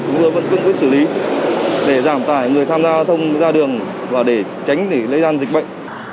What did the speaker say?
chúng tôi vẫn quyết quyết xử lý để giảm tải người tham gia thông ra đường và để tránh để lây gian dịch bệnh